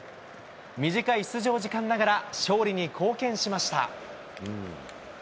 短い出場時間ながら、勝利に貢献しました。